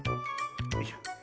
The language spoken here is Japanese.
よいしょ。